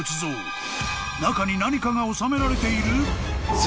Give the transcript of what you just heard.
［中に何かが納められている？］